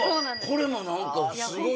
これも何かすごい。